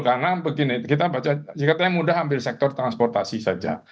karena begini kita baca jika kita mudah ambil sektor transportasi saja